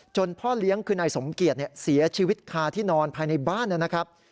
พ่อเลี้ยงคือนายสมเกียจเสียชีวิตคาที่นอนภายในบ้านนะครับ